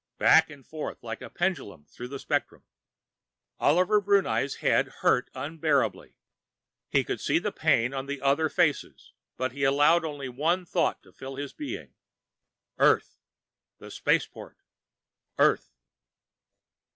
Back and forth, like a pendulum through the spectrum.... Oliver Brunei's head hurt unbearably, he could see the pain on the other faces, but he allowed only one thought to fill his being _Earth! The Spaceport! EARTH!